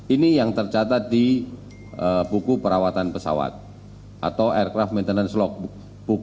ini yang tercatat di buku perawatan pesawat atau aircraft maintenance logbook